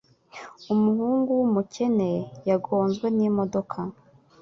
Umuhungu wumukene yagonzwe n imodoka.